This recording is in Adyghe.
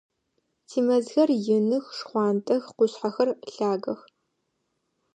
Тимэзхэр иных, шхъуантӏэх, къушъхьэхэр лъагэх.